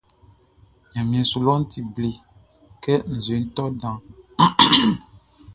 Ɲanmiɛn su lɔʼn ti ble kɛ nzueʼn tɔ danʼn.